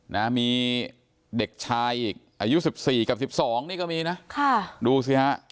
นะมีเด็กชายอีกอายุสิบสี่กับสิบสองนี่ก็มีนะค่ะดูสิฮะ